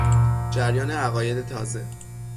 جریان عقاید تازه